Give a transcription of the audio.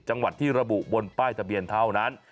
จังหวัดที่ระบุบนป้ายทะเบียนเท่านั้น